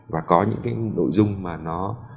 và có những cái nội dung mà nó